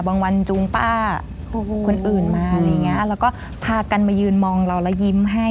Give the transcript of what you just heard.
บางวันจูงป้าคุณอื่นมาแล้วก็พากันมายืนมองเราแล้วยิ้มให้